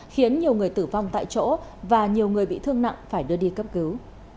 khiến nhiều người tử vong tại chỗ và nhiều người bị thương nặng phải đưa đi cấp cứu